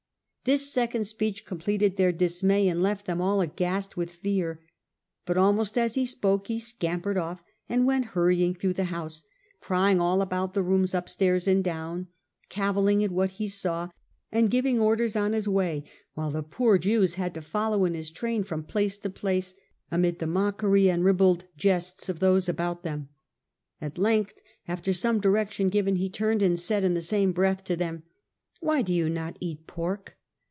This second speech completed their dismay, and left them all aghast with fear. But almost as he spoke, he scampered off, and went hurry ing through the house, prying all about the rooms upstairs and down, cavilling at what he saw, and giving orders on his way, while the poor Jews had to follow in his train from place to place, amid the mockery and ribald jests of those about them. At length, after some direction given, he turned and said in the same breath to them, ^ Why do you not eat pork